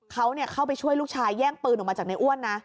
เขาเข้าไปช่วยลูกชายแย่งปืนออกมาจากในอ้วนนะ